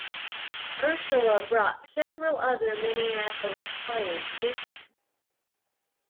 Ursella brought several other Minneapolis players with him.